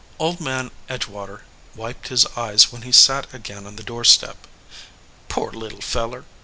Old Man Edgewater wiped his eyes when he sat again on the door step. "Poor little feller